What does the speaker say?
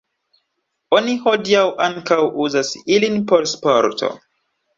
Oni hodiaŭ ankaŭ uzas ilin por sporto.